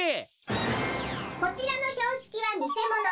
こちらのひょうしきはにせもの。